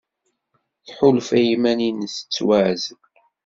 Tḥulfa i yiman-nnes tettwaɛzel.